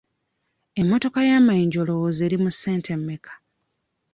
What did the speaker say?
Emmotoka y'amayinja olowooza eri mu ssente mmeka?